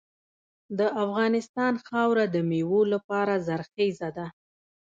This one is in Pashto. د افغانستان خاوره د میوو لپاره زرخیزه ده.